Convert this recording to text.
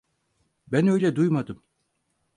Ben öyle duymadım.